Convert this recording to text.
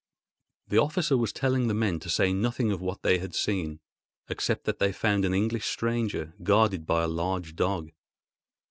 The officer was telling the men to say nothing of what they had seen, except that they found an English stranger, guarded by a large dog.